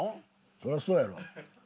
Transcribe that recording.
そりゃそうやろ。